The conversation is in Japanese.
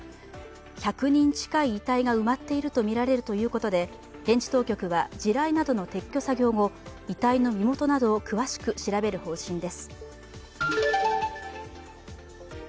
１００人近い遺体が埋まっているとみられるということで現地当局は地雷などの撤去作業後遺体の身元などを詳しく調べる方針です。